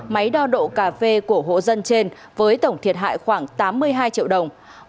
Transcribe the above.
máy đo độ cà phê của hộ dân trên với tổng thiệt hại khoảng tám mươi hai triệu đồng